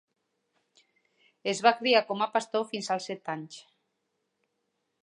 Es va criar com a pastor fins als set anys.